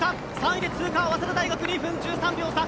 ３位で通過、早稲田大学２分１３秒差。